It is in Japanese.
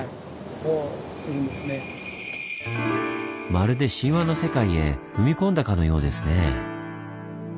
まるで神話の世界へ踏み込んだかのようですねぇ。